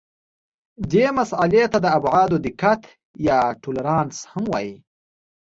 دې مسئلې ته د ابعادو دقت یا تولرانس هم وایي.